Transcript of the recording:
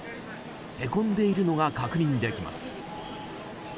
へこんでいるのが確認できます。